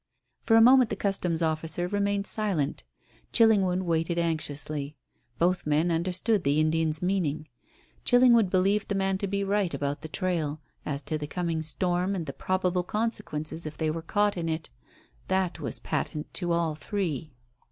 For a moment the Customs officer remained silent. Chillingwood waited anxiously. Both men understood the Indian's meaning. Chillingwood believed the man to be right about the trail. As to the coming storm, and the probable consequences if they were caught in it, that was patent to all three.